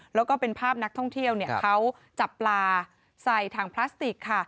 แล้วก็เป็นภาพนักท่องเที่ยวเขาจับปลาใส่ถังพลาสติกค่ะ